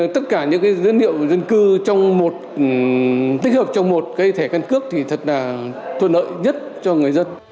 tất cả những dữ liệu dân cư tích hợp trong một thẻ căn cước thì thật là thuận lợi nhất cho người dân